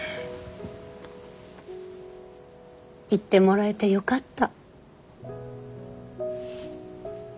言ってもらえてよかった。